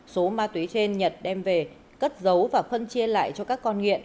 số ma túy trên nhật đem về cất giấu và phân chia lại cho các con nghiện